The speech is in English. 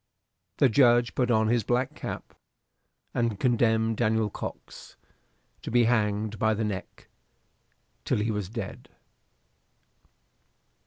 The judge put on his black cap, and condemned Daniel Cox to be hanged by the neck till he was dead.